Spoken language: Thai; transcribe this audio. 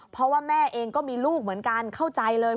เพราะว่าแม่เองก็มีลูกเหมือนกันเข้าใจเลย